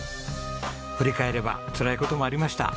振り返ればつらい事もありました。